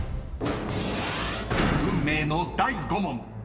［運命の第５問］